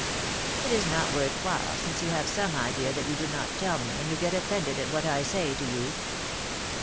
^^It is not worth while, since you have some idea that you do not tell me, and you get offended at what I say to you."